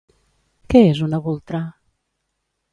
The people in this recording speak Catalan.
Què és una "bultra"?